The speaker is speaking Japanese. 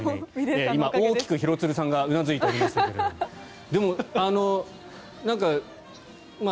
今、大きく廣津留さんがうなずいていらっしゃいますが。